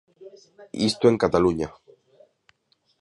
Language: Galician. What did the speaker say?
Isto en Cataluña.